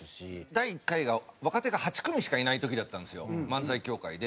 第１回が若手が８組しかいない時だったんですよ漫才協会で。